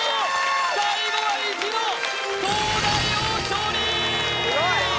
最後は意地の東大王勝利！